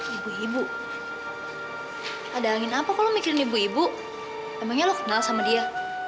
ibu ibu ada angin apa kalau mikirin ibu ibu emangnya lo kenal sama dia